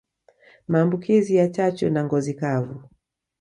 Maambukizi ya chachu na ngozi kavu